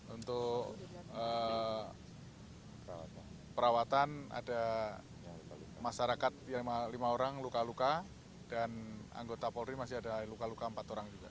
untuk perawatan ada masyarakat yang lima orang luka luka dan anggota polri masih ada luka luka empat orang juga